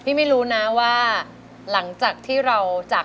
ทั้งในเรื่องของการทำงานเคยทำนานแล้วเกิดปัญหาน้อย